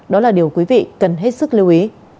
đó là điều quý vị cần hết sức lưu ý